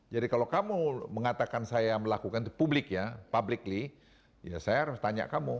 jadi kalau kamu mengatakan saya melakukan itu publik ya publikly ya saya harus tanya kamu